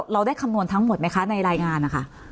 เราได้คำนวณทั้งหมดไหมคะในรายงานนะคะ